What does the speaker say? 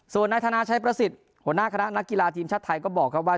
โดยนัทนาใช้ประสิทธิ์หัวหน้าคณะนักกีฬาทีมชาติไทยก็บอกว่า